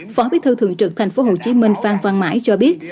phó bí thư thường trực tp hcm phan văn mãi cho biết